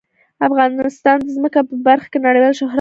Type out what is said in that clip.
افغانستان د ځمکه په برخه کې نړیوال شهرت لري.